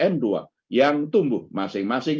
n dua yang tumbuh masing masing